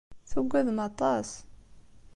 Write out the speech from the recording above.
Tugadem aṭas.